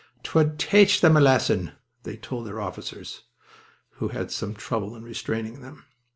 "'Twould taych him a lesson," they told their officers, who had some trouble in restraining them.